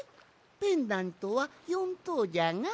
ペンダントは４とうじゃが。